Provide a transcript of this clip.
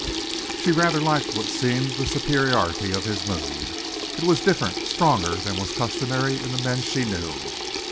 She rather liked what seemed the superiority of his mood. It was different, stronger than was customary in the men she knew.